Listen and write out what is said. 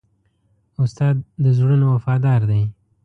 استاد د زړونو وفادار دی.